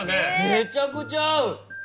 めちゃくちゃ合う。